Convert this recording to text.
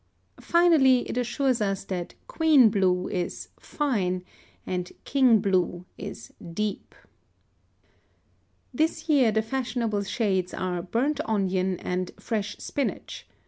Finally, it assures us that Queen blue is "fine" and King blue is "deep." This year the fashionable shades are "burnt onion" and "fresh spinach."